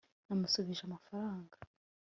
namusubije amafaranga